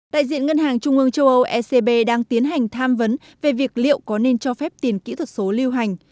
đại diện ngân hàng trung ương châu âu ecb đang tiến hành tham vấn về việc liệu có nên cho phép tiền kỹ thuật số lưu hành